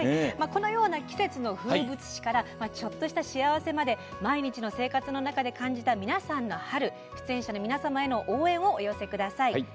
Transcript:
このような季節の風物詩からちょっとした幸せまで毎日の生活の中で感じた皆さんの春出演者の皆様への応援をお寄せください。